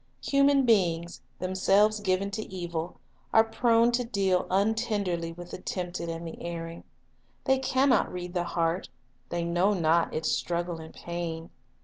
Human beings, themselves given to evil, are prone to deal un tenderly with the tempted and the erring. They can not read the heart, they know not its struggle and pain.